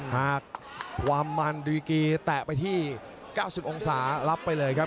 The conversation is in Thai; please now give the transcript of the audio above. หากความมันดีกีแตะไปที่๙๐องศารับไปเลยครับ